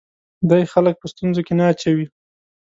دی خلک په ستونزو کې نه اچوي.